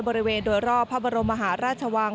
บริเวณโดยรอบพระบรมมหาราชวัง